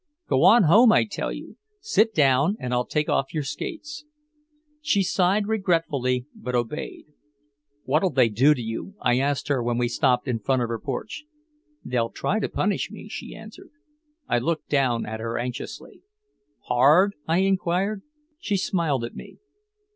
"Go on home, I tell you. Sit down and I'll take off your skates." She sighed regretfully but obeyed. "What'll they do to you?" I asked her when we stopped in front of her house. "They'll try to punish me," she answered. I looked down at her anxiously. "Hard?" I inquired. She smiled at me.